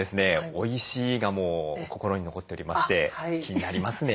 「おいしい」がもう心に残っておりまして気になりますね。